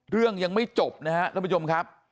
เรื่องยังไม่จบนะครับท่านผู้ชมครับ